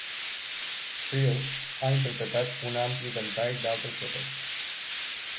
Friels ha interpretat un ampli ventall d'altres papers.